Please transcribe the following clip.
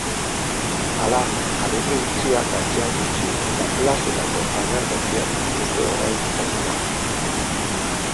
Hala, areto itxiak atzean utzi eta plazetako agertokiak dituzte orain jomugan.